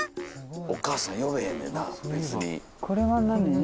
お母さん呼べへんねんな別に。